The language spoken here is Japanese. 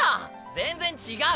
全然違う！